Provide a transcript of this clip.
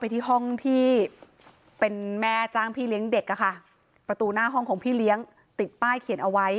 ที่ห้องที่เป็นแม่จ้างพี่เลี้ยงเด็กอะค่ะประตูหน้าห้องของพี่เลี้ยงติดป้ายเขียนเอาไว้